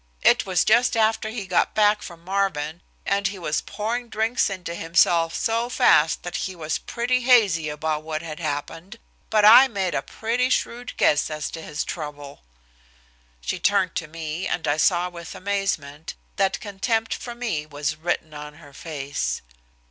It was just after he got back from Marvin, and he was pouring drinks into himself so fast that he was pretty hazy about what had happened, but I made a pretty shrewd guess as to his trouble." She turned to me, and I saw with amazement that contempt for me was written on her face.